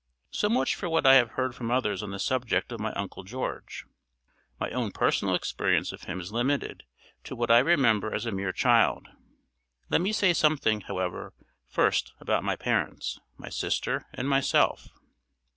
So much for what I have heard from others on the subject of my Uncle George. My own personal experience of him is limited to what I remember as a mere child. Let me say something, however, first about my parents, my sister and myself.